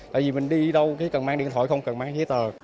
tại vì mình đi đâu cái cần mang điện thoại không cần mang giấy tờ